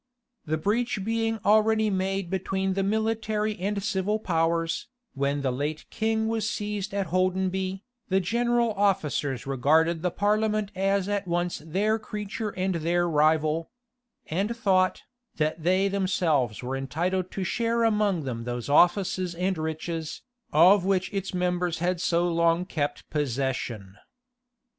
The breach being already made between the military and civil powers, when the late king was seized at Holdenby, the general officers regarded the parliament as at once their creature and their rival; and thought, that they themselves were entitled to share among them those offices and riches, of which its members had so long kept possession.